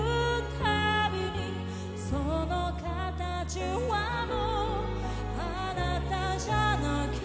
「そのカタチはもうあなたじゃなきゃ」